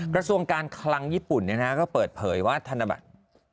กระทรวงการคลังญี่ปุ่นก็เปิดเผยว่าธนบัตร